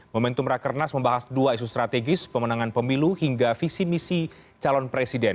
momentum rakernas membahas dua isu strategis pemenangan pemilu hingga visi misi calon presiden